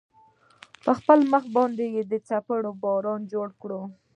په خپل مخ باندې يې د څپېړو باران جوړ کړ.